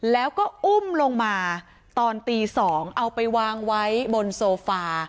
แล้วก็อุ้มลงมาตอนตี๒เอาไปวางไว้บนโซฟา